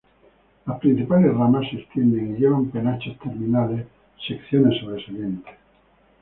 Las principales ramas se extienden y llevan penachos terminales secciones sobresalientes.